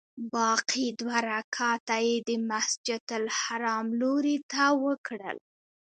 باقي دوه رکعته یې د مسجدالحرام لوري ته وکړل.